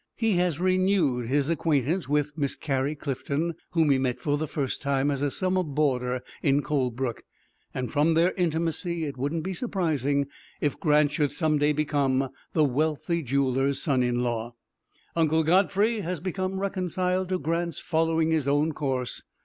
He has renewed his acquaintance with Miss Carrie Clifton, whom he met for the first time as a summer boarder in Colebrook, and from their intimacy it wouldn't be surprising if Grant should some day become the wealthy jeweler's son in law. Uncle Godfrey has become reconciled to Grant's following his own course.